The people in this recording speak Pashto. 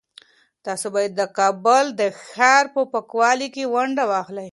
تاسو باید د کابل د ښار په پاکوالي کي ونډه واخلئ.